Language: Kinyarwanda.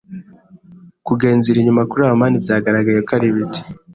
Kugenzura inyuma kuri amani byagaragaye ko ari bike.